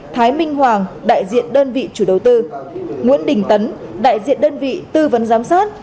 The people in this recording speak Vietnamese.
thái minh hoàng đại diện đơn vị chủ đầu tư nguyễn đình tấn đại diện đơn vị tư vấn giám sát